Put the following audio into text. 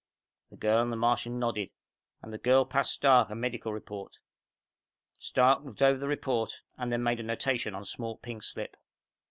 The girl and the Martian nodded, and the girl passed Stark a medical report. Stark looked over the report and then made a notation on a small pink slip.